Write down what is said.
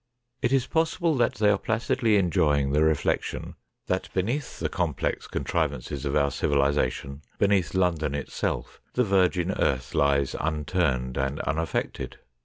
It is possible that they are placidly enjoying the reflection that beneath ON DIGGING HOLES 107 the complex contrivances of our civilisation, beneath London itself, the virgin earth lies unturned and unaffected.